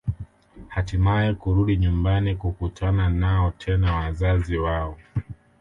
Hatimaye kurudi nyumbani kukutana nao tena wazazi wao